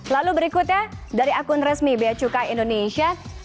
lalu berikutnya dari akun resmi beacukai indonesia